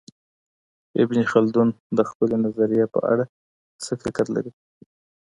ابن خلدون د خپلې نظریې په اړه څه فکر لري؟